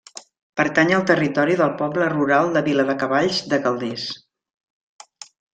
Pertany al territori del poble rural de Viladecavalls de Calders.